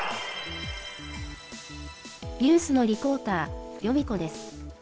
ニュースのリポーター、ヨミ子です。